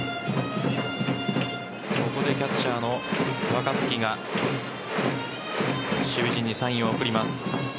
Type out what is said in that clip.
ここでキャッチャーの若月が守備陣にサインを送ります。